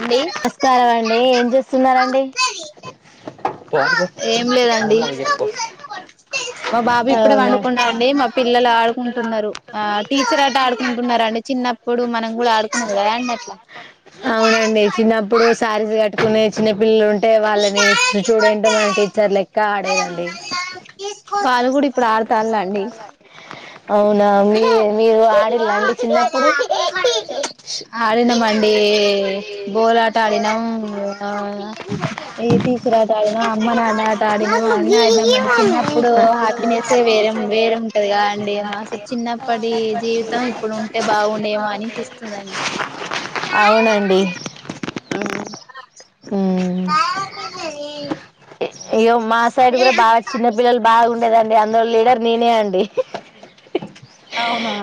అండి నమస్కారం అండి ఏం చేస్తున్నారండి ఏం లేదండి మా బాబు ఇప్పుడే అవునా పండుకున్నాడు అండి మా పిల్లలు ఆడుకుంటున్నారు ఆ టీచర్ ఆట ఆడుకుంటున్నరండి చిన్నప్పుడు మనం కూడా ఆడుకున్నాం కదాండి అట్లా అవునండి చిన్నప్పుడు శారీస్ కట్టు నే చిన్న పల్లలు ఉం ఉంటే వాళ్ళని స్టూడెంట్ మన టీచర్ లెక్క ఇంకా ఆడేదండి వాళ్ళు కూడా ఇప్పుడు ఆడుతాందా అండి అవునా అండి మీరు ఆడిళ్ళండి చిన్నప్పుడు కోలాట ఆడినాం ఈ టీచర్ ఆట ఆడినాం అమ్మ నాన్న ఆట ఆడినం అన్ని ఆడినాం అండి చిన్నప్పుడు హ్యాపీనెస్ ఏ వేరే వేరుంటది గా అండి మాసు చిన్నప్పటి జీవి త్తం ఇప్పుడు ఉంటే బాగుండేమో అనిపిస్తది అండి అవునండి ఆ ఉమ్ ఇగో మా సైడ్ కూడా బాగా చిన్న పిల్లలు బాగుండేదండి అందులో లీడర్ నేనే అండి అవునా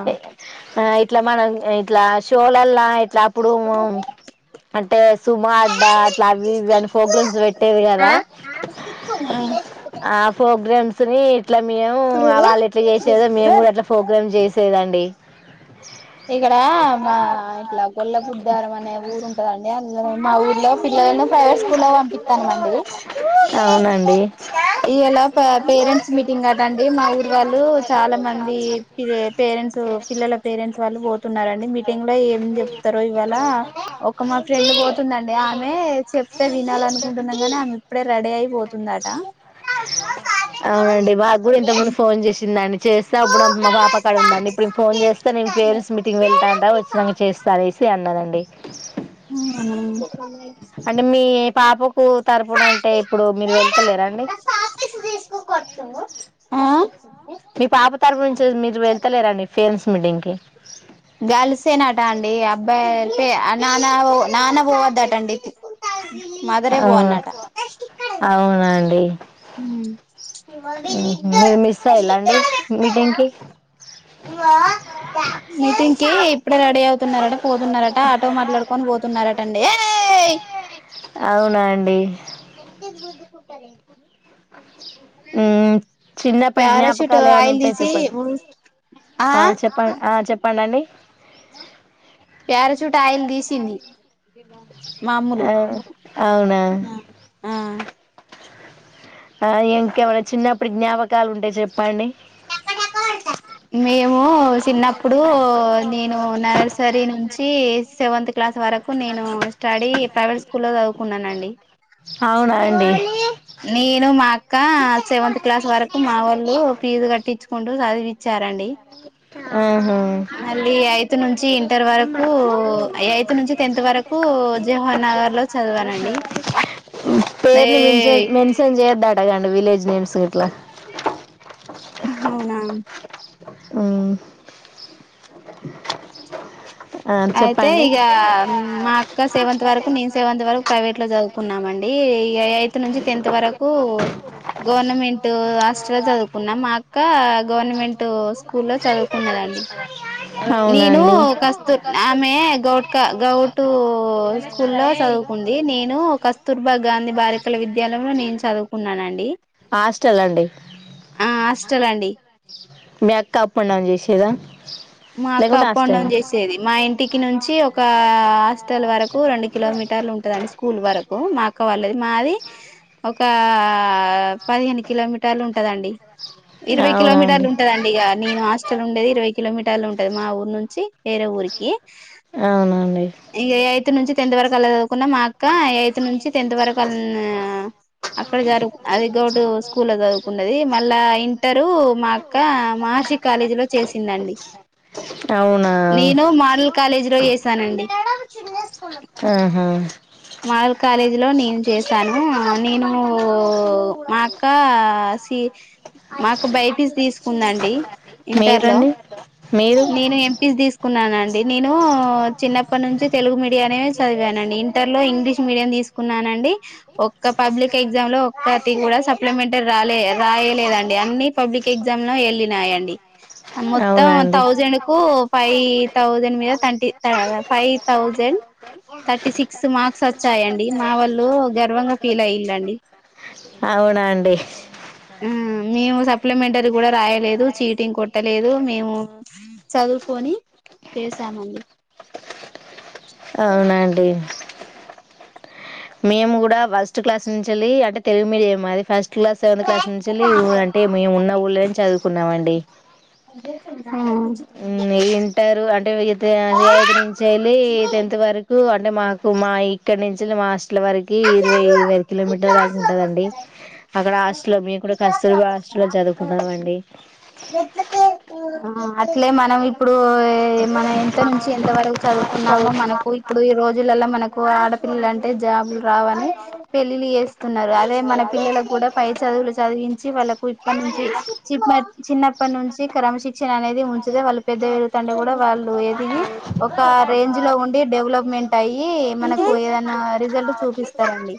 ఇట్లా మన ఇట్లా షోలల్లా ఇట్లా ప్పుడు వుమం అంటే సుమా అడ్డా అట్లా అవి ఇవి అన్న ఫోగ్రామ్స్ పెట్టేది కదా ఆ ఫో జల్స్ ని ఇట్లా మేము వాళ్ళు ఎట్లా చేసేదో మేము ఆ కూడా అట్లా ప్రోగ్రామ్ చేస్ [unintelligible] దండి ఇక్కడ మా ఇట్లా గొల్లపుద్దారం అనే ఊరుంటదండి యార్ నిలబడ్ మా ఊర్లో పిల్లలను ప్రైవేట్ స్కూల్లో పంపిత్తానమండి అవునండి ఇయ్యేలా పేరెంట్స్ మీటింగ్ కదండి మా ఊర్ వాళ్ళు చాలా మంది పేరెంట్స్ పిల్లల పేరెంట్స్ ళ్ళు పోతున్నారని మీటింగ్ ల ఏం చెప్తారో ఇవాళ ఒక మా ఫ్రెండ్ పోతున్ ఆమె చెప్తే వినాలనుకుంటున్నా కాని ఆమె ఇప్పుడే రెడీ అయిపోతుందట అవునండి మాకు కూడా ఇంత ముందు ఫోన్ చేసిందండి చేస్తే ఇప్పుడు మా పాపక్కడ ఉందండి ఇప్పుడు నను ఫోన్ చేస్తే నేను పేరెంట్స్ మీటింగ్కి వెళ్తాండా వచ్చినాక చేస్తా అనేసి అన్నదండి అ [unintelligible] [unintelligible] టీ పాపు టు తరపున అంటే ఇప్పుడు మీరు వెళ్తేలేరండి ఆ మీ పాప తరపు నుంచి మీరు వెళ్ క్కలేరండి పేరెంట్స్ మీటింగ్కి గర్ల్సేనట అండి అబ్బాయి టే ఆ నానా నాన్న పోవద్దటండి మదరే ఔ పోవన్నట అవునండి మ్మ్ ఊహూ మీరు మిస్ అయ్యిల్లాండి మీటింగ్ కి మీటింగ్ కి ఇప్పుడే రెడీ అవుతున్నారట పోతున్నారట ఆటో మాట్లాడుకొని పోతున్నారటండి ఏయ్ అవునా అండి రస్తే రృద్దుకుంటారు ఊ చిన్నప్పటి పారాషూట్ జ్ఞాపకాలు ఏమైనా ఆయిల్ ఉంటే తీసి చెప్పండి. ఆ చెప్పండి ఆ చెప్పండండి. ప్యారాశుట్ ఆయిల్ తీసింది మాములు ఆ అవునా ఆ ఇంకేమైన చిన్నప్పుడు జ్ఞాపకాలు ఉంటే చెప్పండి. మేము చిన్నప్పుడూ నేను నర్సరీ నుంచీ సెవన్త్కి క్లాస్ వరకు నేను స్టడీ ప్రైవేట్ స్కూల్లో చదువుకున్నాను అండి. ఓ అవునా అండి. ఇకా సెవెంత్ క్లాస్ వరకు మా వాళ్ళు ఫీజు కట్ కట్టిచ్చుకుంటూ చదివిచ్ విచ్చారండి ఆహా మళ్ళీ ఎయిథ్ నుంచి ఇంటర్ వరకూ ఎయిట్త్ నుంచి టెన్త్ వరకు జోహోర్ నగర్ లో చదివానండి. ఏయ్ అండ్గా విలేజ్ నెమ్స్ ఇట్లా అవునా అవును ఆ అయితే చెప్పండి ఇక మా అక్క సేవంత్ వరకు నేను సేవంత్ వరకు ప్రైవేట్ లో చదువుకు కున్నామండి ఎయిత్ నుంచి టెన్త్ వరకు గవర్నమెంట్ హాస్టల్లో చదువుకున్నాం. మా అక్క గవర్నమెంట్ స్కూల్లో చదువుకున్నదండి. అవునా నేనూ అండి కస్ ఆమె గౌట్క గౌటు స్కూల్ లో చదువుకుంది నేను కస్తూర్బా గాంధీ బాలికళ విద్యాలయంలో నేను చదువుకున్నానండి. హాస్టల్ అండి ఆస్ హాస్టలండి. మీ అక్క అప్అండ్డౌన్ చేసేదా మా అక్క లేకుంటే అప్ అండ్ హాస్టల్ నా డౌన్ చేసేది. మా ఇంటికి నుంచి ఒక ఒకా హాస్టల్ వరకు రెండు కిలోమీటర్ టర్లు ఉంటుదండి స్కూల్ వరకు మా అక్క వాళ్ళది మాది ఒకా పదిహేను కిలోమీటర్లు ఉంటదండి ఇరవై అవునా అండి కిలోమీటర్లు ఉంటదండి ఇక నేను హస్టల్ ఉండేది ఇరవై కిలో మీ టర్లు ఉంటాది మా ఊరు నుంచి వేరే ఊరికి అవునండి ఇగ అయ్ ఎయిథ్ నుంచి టెన్త్ వరకు అలా చదు వుకున్న మా అక్క ఎయిత్ నుంచి టెన్త్ వరకు అన్న అక్కడ జరుగు అది గౌట్ స్కూల్ల చదువుకున్నది. మల్ల ఇంటర్ మా అక్క మాహార్షి కాలేజీ లో చేసిందండి. అవునా నేను మోడల్ కాలేజీ లో చేసానండి ఆహా మాడల్ కాలేజ్ ఇందులో నేను చేశాను నేను మా అక్క సి మా అక్క బై పీ సీ తీసుకుందండి ఇంటర్ లో మీరండి మీరు నేను ఎం పీ సి తీసుకున్నానండి. నేను చిన్నప్పటి నుంచి తెలుగు మీడియా నే చదివానండి. ఇంటర్ లో ఇంగ్లీష్ మీడియం తీసుకున్నానండి. ఒక్క పబ్లిక్ ఎగ్జామ్ లో ఒక్కటి కూడా సప్లిమెంటరీ రాలే రాయలేదండి. అన్ని పబ్లిక్ ఎగ్జామ్ లో వెళ్ళినాయండి. మొత్తం అవునండి తౌసండ్ కు ఫైవ్ థౌజండ్ మీద థంటి five thousand thirty six marks వచ్చాయండి. మా వోళ్ళు గర్వంగా ఫీల్ అయిల్లు ఆండీ అవునా అండి ఉమ్ మేము సప్లిమెంటరీ కూడ రాయ్ లేదు చీటింగ్ కొట్టలేదు మేము చదువుకొని చేసామండి అవున అండి మేము కూడ వస్ట్ క్లాస్ నుంచెల్లి అంటే తెలుగు మీడియం మది ఫస్ట్ క్లాస్ సెవెంత్ క్లాస్ నుంచేల్లి అంటే మేము ఉన్న ఊళ్ళోనే చదువుకున్నామండి. ఆ హ్ ఇంటరు అంటే అయితే ఐదు నుంచేళ్ళి టెన్త్ వరకూ ఆట్ అంటే మాకు మా ఇక్కడ నుంచెల్లి మా హాస్టల్ వరకి ఇరవై ఇరవై ఐదు కిలోమీటర్లు దాకా ఉంటదండి. అక్కడ హాస్టలో మేము కూడ కస్తూర్బా హాస్టలొ చదువుకున్నాం అండి. [unintelligible] ఉ అట్లే మనం ఇ ప్పుడు మనం ఎంత నుంచి ఎంత వరకు చదువుకున్నామో మనకు ఇప్పుడు ఈ రోజులల్ల మనకు ఆడపిల్ల అంటే జాబ్లు రావని పెళ్ళిళ్ళు చేస్తున్నారు. అదే మన పిల్లలకు కూడా పై చదువులు చదివించి వాళ్ళకు ఇప్పటి నుంచి చిప్ మే చిన్నప్పటి నుంచి క్రమశిక్షణ అనేది ఉంచితే వాళ్ళ పెద్ద పెరుగు తండే కూడా వాళ్ళు ఎదిగి ఒక రేంజ్ లో ఉండి డెవలప్మెంట్ అయి మనకు ఏదైనా రిజల్ట్ చూపిస్తారండి.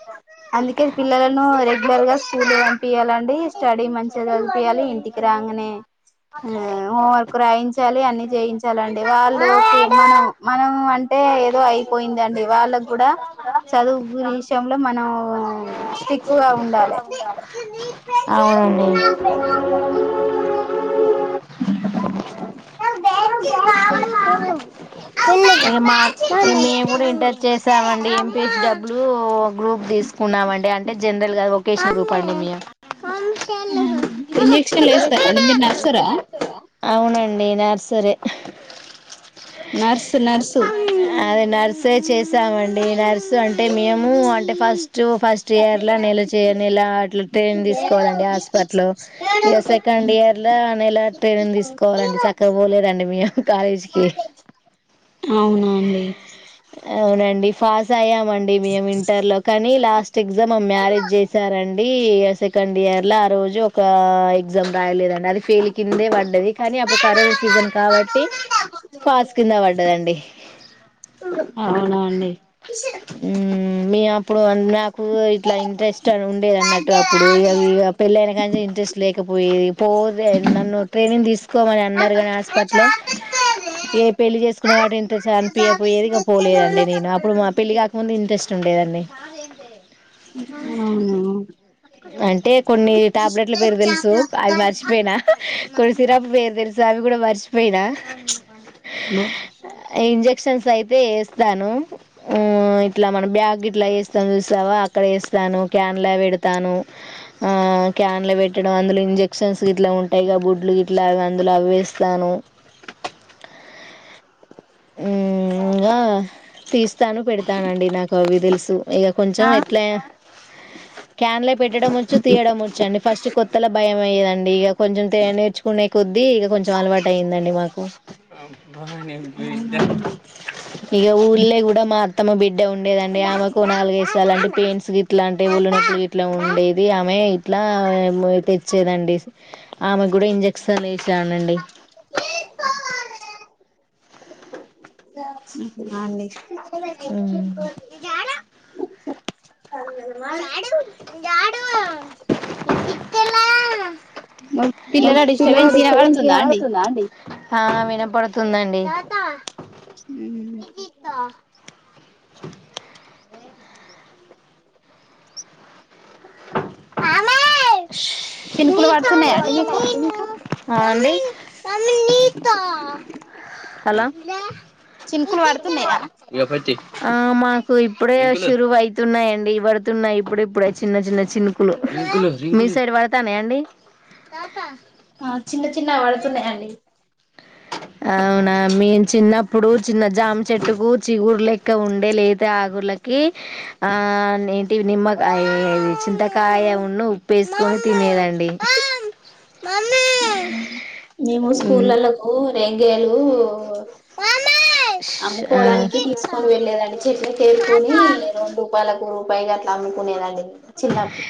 అందుకే పిల్లలను రెగ్యులర్ గా స్కూలు కు పంపియాలండి స్టడీ మంచి గా చదువుపీయాలి. ఇంటికి రాగానే హ్ హోంవర్క్ రాయించాలి అని జయించాలండి. వాళ్ళు కు మనం మనం అంటే ఏదో అయిపోయిందండి. వాళ్ళకు గూడ చదువు విషయంలో మనం స్టిక్ గా ఉండాలే అవునండి మేము కూడ ఇంటర్ చేసామండి ఎంపిసి బదులు ఒక గ్రూప్ తీసుకున్నామ అండి అ అంటే జనరల్ గా ఒకేషన్ గ్రూప్ అండి మీ ఇంజెక్షన్లు వేస్తారండి మీరు నర్సరా అవునండి నర్స్ [unintelligible] నర్స్ నర్సు తేచే స్తామండి నర్సు అంటే మేము అంటే ఫస్ట్ ఫస్ట్ ఇయర్ ల నేల చే అలా నేల ట్రైని తీసుకోవాలండి హాస్పిటల్ ఇ సెకండ్ ఇయర్ లో నెలా ట్రైని తీసుకోవాలండి చక్కగాపోలే రామండి మేం కాలేజకి అవునా అండి అవునండి ఫాస్ అయ్యా అండి మేము ఇంటర్ లో కానీ లాస్ట్ ఎగ్జామ్ ఆ మ్యారేజ్ చేశారండి సెకండ్ ఇయర్ లో రోజు ఒక ఎగ్జామ్ రాయలేదండి అది ఫెయిల్ కిందే పడది కాని అప్పుడు కరోనా సీజన్ కాబట్టి పాస్ కింద పడ్డదండి అవునా అండి మే అప్పుడు నాకు ఇట్లా ఇంట్రెస్ట్ ఉండేది అన్నట్టు అప్పుడు ఇ పెళ్ళైన కా నుంచి ఇంట్రెస్ట్ లేకపోయేది పో నన్ను ట్రైనింగ్ తీసుకోమని అన్నట్ హాస్పిట లో ఏ పెళ్లి చేసుకున్నా కాబట్టి ఇంట్రె అనిపియపోయేది పోలేదండి నేను అప్పుడు మా పెళ్ళి కాకముందు ఇంట్రెస్ట్ ఉండేదండి అంటే కొన్ని టాబ్లెట్ల పేరు తెలుసు అవి మర్చిపోయినా కొన్నీ సిరాపు పేరు తెల్సు అవి కూడా మర్చిపోయినా నో మోషన్స్ అయితే వేస్తాను మ్మ్ ఇట్లా మన బ్యాగ్ ఇట్లా వేస్తాం చూస్తావా అక్కడ వేస్తాను క్యాన్లే పెడతాను ఆ క్యాన్లే పెట్టడం అందులో ఇంజెక్షన్స్ ఇట్ల ఉంటాయి గా బొడ్లు ఇట్లగా అందులో అవేస్తాను మ్మ్ తీస్తాను పెడతానండి నాకు అవి తెలుసుా ఇక కొంచెం ఇట్లా క్యాన్లే పెట్టడం వచ్చు తీయడం వచ్చు అండి ఫస్ట్ కొత్తలో భయం అయ్యేదండి ఇక కొంచెం నేర్చుకునే కొద్దీ ఇక కొంచెం అలవాటు అయ్యిందండి మాకు అవునా [unintelligible] ఇక ఊర్లే కూడా మాత్ర ఉండేదండి ఆమెకు నాలుగయిదు సార్లు పెయింట్స్ ఇట్లా అంటే విల్లునొప్పుపు ఇట్లా ఉండేది ఆమె ఇట్లా తెచ్చేదండి ఆమె కూడా ఇంజక్షన్లు వేసానండి అండి ఎ ఇ ాడు డు పిల్లల డిస్టర్బెన్స్ వినబడుతుందా అండి ఆ వినపడుతుందండి. అ హలో చినుకులు పడుతున్నాయా అండి మీకు చినుకులు పడుతున్నాయా ఆ మాకు ఇప్పుడే షురువు అయితున్నాయ్ అండి. పడుతున్నాయ్ ఇప్పుడు ఇప్పుడే చిన్న చిన్న చినుకులు. మీసైడ్ పడ్ తానాయ అండీ. ఆ చిన్న చిన్నగ పడుతున్నాయండి. అవునా మేమ్ చిన్నప్పుడూ. చిన్న జామ్ చెట్టుకూ చిగుర్ లెక్క ఉండే లేత ఆకులకీ, ఆ నేంటి నిమ్మక ఆ చింతకాయ ఉన్నూ ఉప్పేసుకొని తినేదండి. మేము ఉమ్ స్కూల్లలో ఓ నే [unintelligible] లూ ష్, ఆ అమ్ముకోడానికి తీసుకొని వెళ్ళలేదండి. చెట్లకు ఏరుకొనీ రెండు రూపాయలకు, రూపాయి గట్ అమ్ముకునేదండి చిన్నప్పు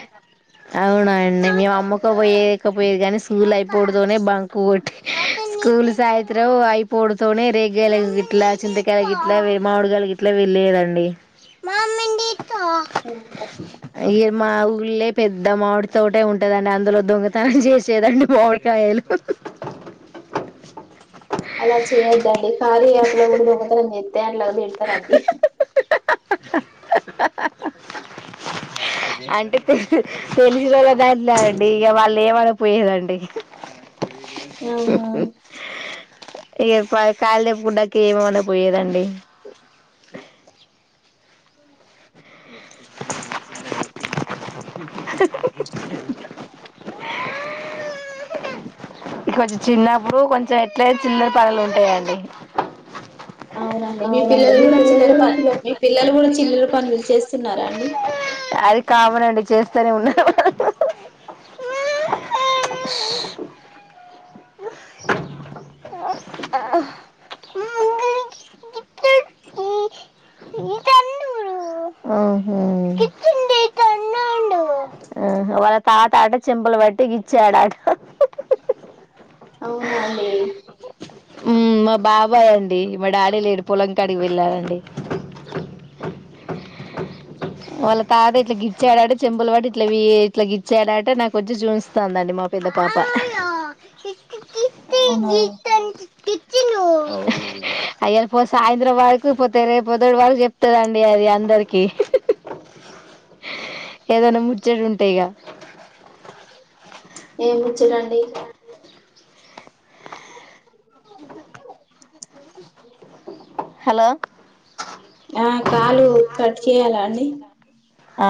అవునా అండి. మేము అమ్ముక పోయేకపొయేది కాని. స్కూల్ అయిపోవుడుతోనే బంక్ కొట్టి స్కూల్ సాయత్ర్రం అయిపోడుతోనే రేగగాయలు గిట్లా, చింతకాయలు గిట్లా, మామిడికాయలు గిట్లా వెళ్లేదండి. ఈ మా ఊళే పెద్ ద్ద మామిడి తోటే ఉంటదండి, అందులో దొంగతనం చేసేదండి మామిడికాయలు. అలా చేయొద్దండి కారీ యాప్ లో కూడా దొంగతనం చేత్తే అట్ల తిడతరండి. అంటే తె తెలిసినోళ్ళ దాంట్ల అండీ. ఇగ వాళ్ళు ఏమనక్ పోయేదండి. అవునా ఇగ కాళితెంపుడంక ఏమనక పోయేదండి. అ ఇక కొంచెం చిన్నప్పుడు కొంచెం ఎట్లయితే చిల్లర్ పనులు ఉంటాయండి. అవునండి. మీ పిల్లలు కూడా చిల్లర పన్ మీ పిల్లలు కూడా చిల్లర పనులు చేస్తున్నారా అండి. కామనండి చేస్తనే ఉన్నరు. ఆ ఆహా వాళ్ళ తాత అట చెంపలు పట్టి గిచ్చాడట. అవునా అండీ. ఉమ్ మా బాబాయ్ అండి. మా డాడీ లేడు పొలంకాడికి వెళ్ళారండి. వాళ్ళ తాత ఇట్ల గిచ్చాడట చెంపల్ పట్టి, ఇట్ల ఇట్ల గిట్చాడట నాక్ వచ్చి చూయిస్తాందండి మా పెద్ద పాప. అవునా అయ్య పో సాయంత్రం వరకు పోతే రేప్ పోదటి వరకు చెప్తదండి అది అందరికీ. ఏదన్న ముచ్చట వుంటే ఇగా. ఏమో చెయ్యరండి హలో ఆ కాలు కట్ చేయాలా అండి ఆ